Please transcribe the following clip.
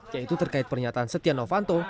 yaitu terkait pernyataan setianowanto